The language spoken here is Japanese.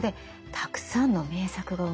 たくさんの名作が生まれる。